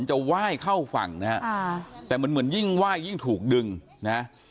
จะไหว้เข้าฝั่งนะฮะแต่มันเหมือนยิ่งไหว้ยิ่งถูกดึงนะฮะ